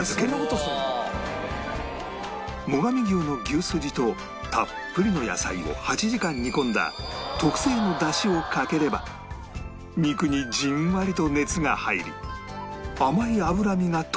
最上牛の牛すじとたっぷりの野菜を８時間煮込んだ特製の出汁をかければ肉にじんわりと熱が入り甘い脂身が溶け出す